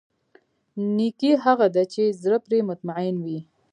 نېکي هغه ده چې زړه پرې مطمئن وي.